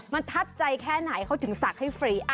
มันทับใจแค่ไหนเขาถึงศักดิ์ให้ฟรี